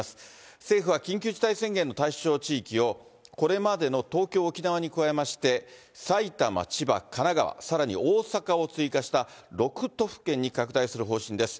政府は緊急事態宣言の対象地域を、これまでの東京、沖縄に加えまして、埼玉、千葉、神奈川、さらに大阪を追加した６都府県に拡大する方針です。